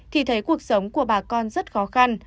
thì thấy cuộc sống của bà con rất khó khăn